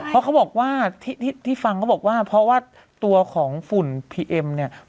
เพราะเขาบอกว่าที่ฟังเขาบอกว่าเพราะว่าตัวของฝุ่นพีเอ็มเนี่ย